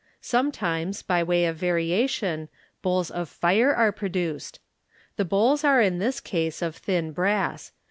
Sometimes, by way of variation, bowls of fire are produced. Tht bowls are in this case of thin brass.